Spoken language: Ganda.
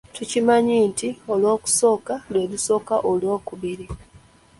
Tukimanyi nti Olwokusooka lwe lusooka Olwokubiri.